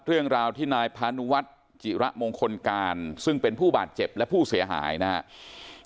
เรื่องราวที่นายพานุวัฒน์จิระมงคลการซึ่งเป็นผู้บาดเจ็บและผู้เสียหายนะครับ